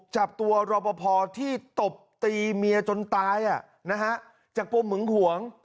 จับตัวรอบพอร์ที่ตบตีเมียจนตายอ่ะนะฮะจากป้มหมึงห่วง